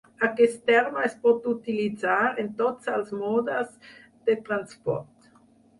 Aquest terme es pot utilitzar en tots els modes de transport.